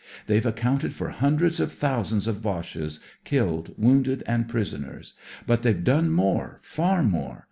They've accounted for hundreds of thousands of Boches, killed, wounded and prisoners. But they've done more, far more.